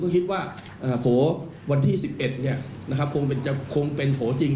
ผมก็คิดว่าโผวันที่๑๑เนี่ยคงเป็นโผจริง